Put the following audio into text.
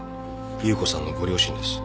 夕子さんのご両親です。